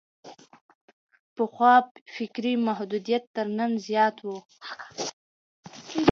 پخوا فکري محدوديت تر نن زيات وو.